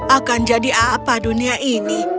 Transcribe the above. akan jadi apa dunia ini